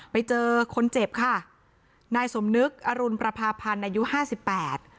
ไปเจอคนเจ็บค่ะนายสมนึกอรุณประพาพันธ์อายุห้าสิบแปด